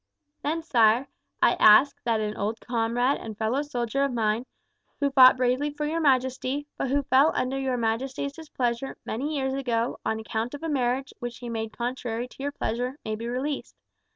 "Then, sire, I ask that an old comrade and fellow soldier of mine, who fought bravely for your majesty, but who fell under your majesty's displeasure many years ago on account of a marriage which he made contrary to your pleasure, may be released.